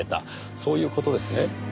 そういう事ですね？